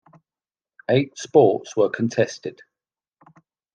Eight sports were contested.